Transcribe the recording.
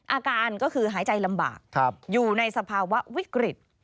อาการก็คือหายใจลำบากอยู่ในสภาวะวิกฤต